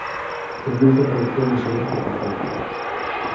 E o mozo parecía non saber que facer.